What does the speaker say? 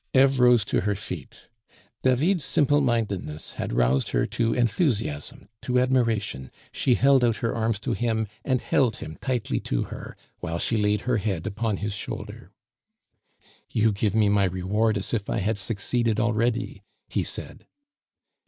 Eve rose to her feet. David's simple mindedness had roused her to enthusiasm, to admiration; she held out her arms to him and held him tightly to her, while she laid her head upon his shoulder. "You give me my reward as if I had succeeded already," he said.